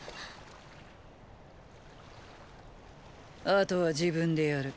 後は自分でやる。